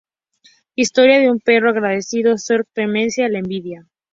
Historia de un perro agradecido", "Sor Clemencia", "La envidia.